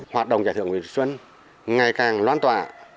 hoạt động giải thưởng nguyễn xuân ngày càng loan tỏa